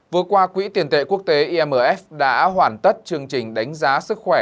vừa qua quỹ tiền tệ quốc tế imf đã hoàn tất chương trình đánh giá sức khỏe